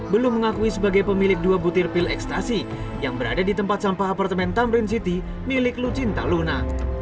belum mengakui sebagai pemilik dua butir pil ekstasi yang berada di tempat sampah apartemen tamrin city milik lucinta luna